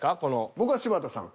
僕は柴田さん。